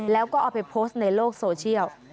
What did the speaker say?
แล้วก็เอาไปโพสต์ในโลกโซเชียล